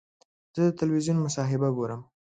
زه د تلویزیون مصاحبه ګورم.